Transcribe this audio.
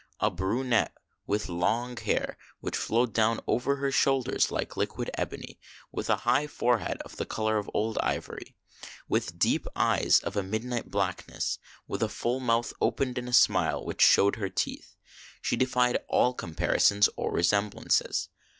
A brunette, with long hair which flowed down over her shoulders, like liquid ebony ; with a high forehead of the color of old ivory ; with deep eyes of a midnight blackness ; with a full mouth opened in a smile which showed her teeth, — she defied all comparisons or resemblances.